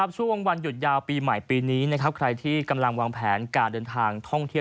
ช่วงวันหยุดยาวปีใหม่ปีนี้ใครที่กำลังวางแผนการเดินทางท่องเที่ยว